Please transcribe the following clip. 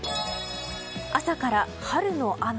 朝から春の雨。